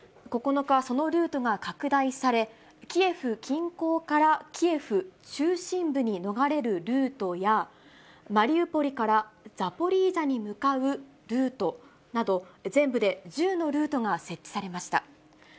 ９日、そのルートが拡大され、キエフ近郊からキエフ中心部に逃れるルートや、マリウポリからザポリージャに向かうルートなど、全部で１０のルートが設置されました。